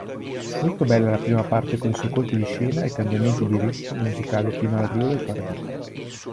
Molto bella la prima parte con i suoi colpi di scena e cambiamenti del ritmo musicale fino all'arrivo del paradiso.